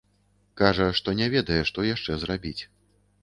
Кажа, што не ведае, што яшчэ зрабіць.